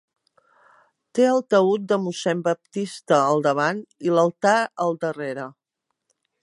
Té el taüt de mossèn Baptista al davant i l'altar al darrere.